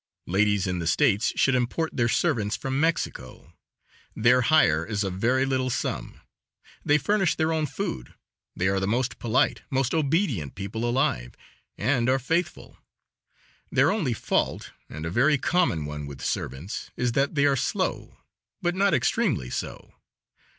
Ladies in the States should import their servants from Mexico. Their hire is a very little sum; they furnish their own food; they are the most polite, most obedient people alive, and are faithful. Their only fault and a very common one with servants is that they are slow, but not extremely so.